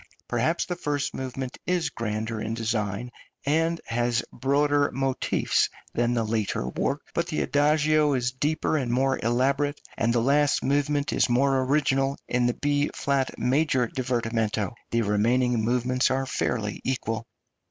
Perhaps the first movement is grander in design, and has broader motifs than the later work; but the adagio is deeper and more elaborate, and the last movement is more original in the B flat major divertimento. The remaining movements are fairly equal.